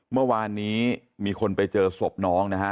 เมื่อวานนี้มีคนไปเจอศพน้องนะฮะ